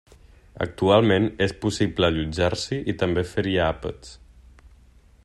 Actualment és possible allotjar-s'hi i també fer-hi àpats.